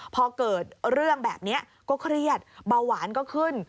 พอเกิดเรื่องแบบนี้ก็เครียดเบาหวานก็ขึ้น